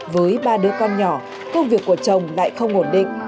với ba đứa con nhỏ công việc của chồng lại không ổn định